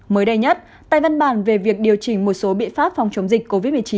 mới đây nhất tại văn bản về việc điều chỉnh một số biện pháp phòng chống dịch covid một mươi chín